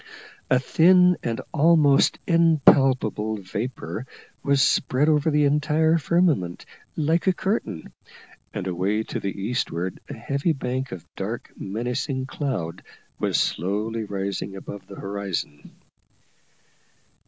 A thin and almost impalpable vapour was spread over the entire firmament, like a curtain, and away to the eastward a heavy bank of dark menacing cloud was slowly rising above the horizon.